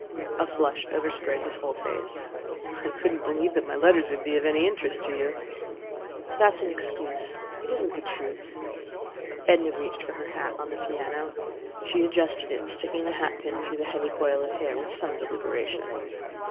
A flush overspread his whole face. "I couldn't believe that my letters would be of any interest to you." "That is an excuse; it isn't the truth." Edna reached for her hat on the piano. She adjusted it, sticking the hat pin through the heavy coil of hair with some deliberation.